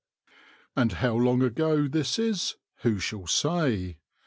And how long ago this is, who shall say